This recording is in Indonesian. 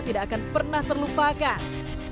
tidak akan pernah terlupakan